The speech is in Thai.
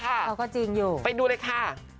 เขาก็จริงอยู่ไปดูเลยค่ะ